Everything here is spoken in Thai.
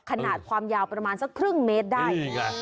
ขนาดความยาวประมาณสักครึ่งเมตรได้นี่ไง